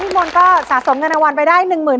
พี่มนต์ก็สะสมเงินอาวันไปได้